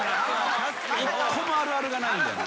１個もあるあるがないんだよね。